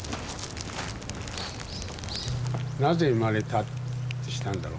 なぜ生まれたってしたんだろうかね。